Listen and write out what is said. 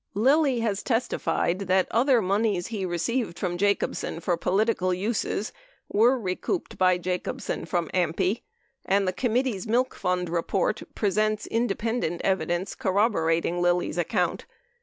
Lilly has testified that other moneys he received from Jacobsen for political uses were recouped by Jacobsen from AMPI, and the com mittee's Milk Fund Report presents independent evidence corroborat ing Lilly's account.